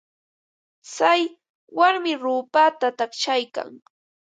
Tsay warmi ruupata taqshaykan.